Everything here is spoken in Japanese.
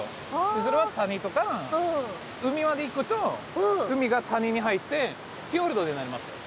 それは谷とか海まで行くと海が谷に入ってフィヨルドになりますよ。